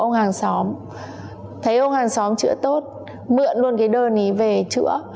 ông hàng xóm thì ông hàng xóm chịu tốt bự hciendo thì đơn ý về chữa